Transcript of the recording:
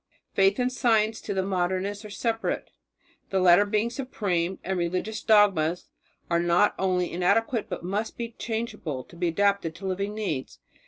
Faith and science to the Modernist are separate, the latter being supreme, and religious dogmas are not only inadequate but must be changeable to be adapted to living needs.